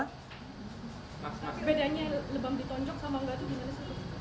tapi bedanya lebam ditonjok sama enggak itu gimana sih